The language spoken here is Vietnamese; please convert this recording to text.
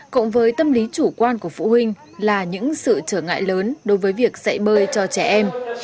cộng với tâm lý chủ quan của phụ huynh là những sự trở ngại lớn đối với việc dạy bơi cho trẻ em